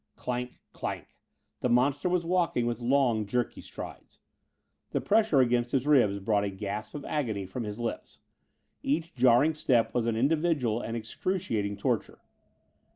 Clank, clank. The monster was walking with long, jerky strides. The pressure against his ribs brought a gasp of agony from his lips. Each jarring step was an individual and excruciating torture.